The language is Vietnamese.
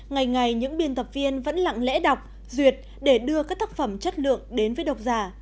ngày ngày những biên tập viên vẫn lặng lẽ đọc duyệt để đưa các tác phẩm chất lượng đến với độc giả